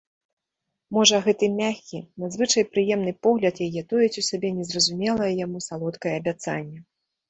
Можа, гэты мяккі, надзвычай прыемны погляд яе тоіць у сабе незразумелае яму салодкае абяцанне?